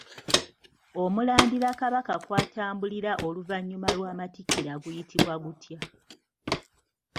Omulandira Kabaka kwatambulira oluvannyuma lw'amatikkira guyitibwa gutya?